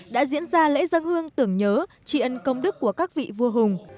đã diễn ra lễ dân hương tưởng nhớ tri ân công đức của các vị vua hùng